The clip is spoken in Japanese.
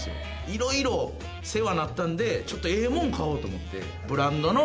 色々世話なったんでちょっとええもん買おうと思って。